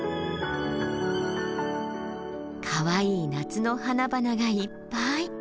かわいい夏の花々がいっぱい。